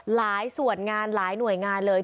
หลายส่วนงานหลายหน่วยงานเลย